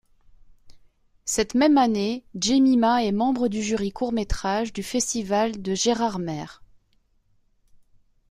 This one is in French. Cette même année, Jemima est membre du jury courts métrages du Festival de Gérardmer.